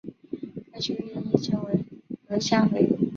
该区域亦称为额下回。